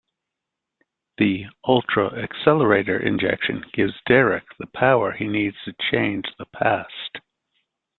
The "ultra accelerator" injection gives Derrick the power he needs to change the past.